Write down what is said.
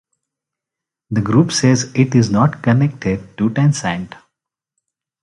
The group says it is not connected to Tencent.